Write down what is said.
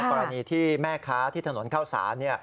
กรณีที่แม่ค้าที่ถนนเข้าสาร